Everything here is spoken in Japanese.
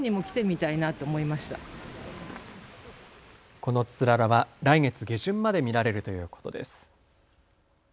このつららは来月下旬まで見られるということです。